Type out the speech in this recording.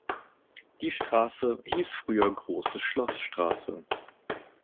Die Straße hieß früher Große Schloßstraße.